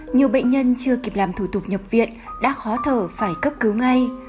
nhiều bệnh nhân chưa kịp làm thủ tục nhập viện đã khó thở phải cấp cứu ngay